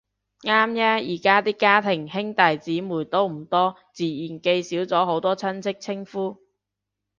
啱呀，而家啲家庭兄弟姊妹都唔多，自然記少咗好多親戚稱呼